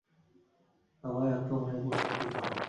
সবাই আক্রমণের প্রস্তুতি নাও!